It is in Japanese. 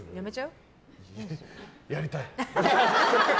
やりたい。